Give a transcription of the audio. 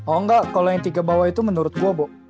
oh enggak kalau yang tiga bawah itu menurut gue bu